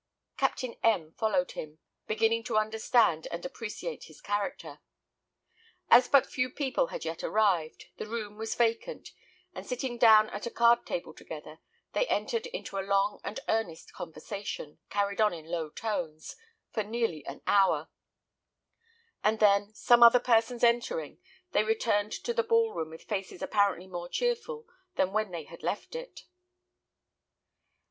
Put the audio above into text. Captain M followed him, beginning to understand and appreciate his character. As but few people had yet arrived, the room was vacant, and sitting down at a card table together, they entered into a long and earnest conversation, carried on in low tones, for nearly an hour; and then, some other persons entering, they returned to the ball room with faces apparently more cheerful than when they had left it.